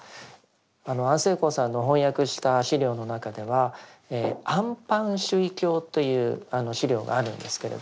安世高さんの翻訳した資料の中では「安般守意経」という資料があるんですけれども。